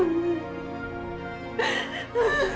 aku mau masuk kamar ya